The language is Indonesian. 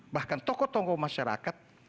bahkan tokoh tokoh masyarakat